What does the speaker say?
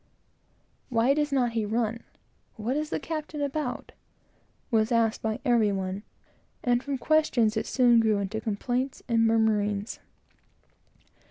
Why does not he run? What is the captain about? was asked by every one; and from questions, it soon grew into complaints and murmurings.